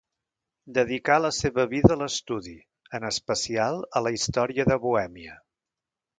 Dedicà la seva vida a l'estudi, en especial a la història de Bohèmia.